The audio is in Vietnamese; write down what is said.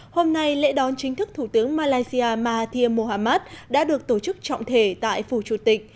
hôm nay lễ đón chính thức thủ tướng malaysia mahathir mohamad đã được tổ chức trọng thể tại phủ chủ tịch